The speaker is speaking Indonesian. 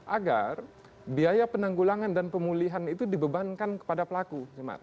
agar biaya penanggulangan dan pemulihan itu dibebankan kepada pelaku